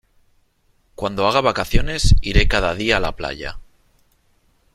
Cuando haga vacaciones iré cada día a la playa.